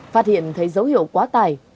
phát hiện thấy dấu hiệu quá tải